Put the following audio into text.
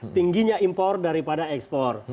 tingginya impor daripada ekspor